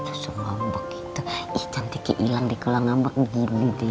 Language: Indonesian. sus ngambek gitu ih cantiknya ilang deh kalau ngambek gitu deh